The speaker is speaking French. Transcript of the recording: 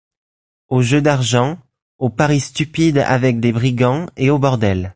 Aux jeux d’argent, aux paris stupides avec des brigands et aux bordels.